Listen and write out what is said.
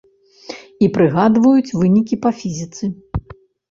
І прыгадваюць вынікі па фізіцы.